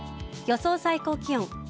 予想最高気温。